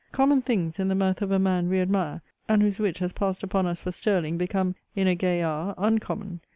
Common things, in the mouth of a man we admire, and whose wit has passed upon us for sterling, become, in a gay hour, uncommon.